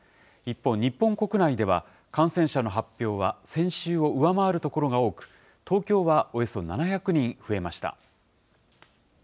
一方、日本国内では、感染者の発表は、先週を上回る所が多く、東京はおよそ７００人増えました。